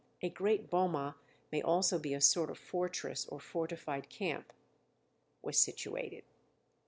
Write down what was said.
A great boma may also be a sort of fortress or fortified camp.] was situated.